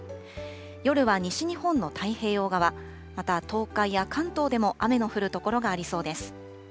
夜は西日本の太平洋側、また東海や関東でも雨の降る所がありそうです。